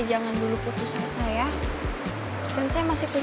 jangan tidak mau